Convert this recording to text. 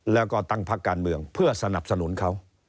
แล้วก็ตั้งพักการเมืองเพื่อสนับสนุนเขา